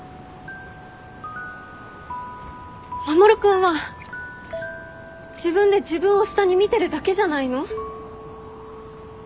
守君は自分で自分を下に見てるだけじゃないの？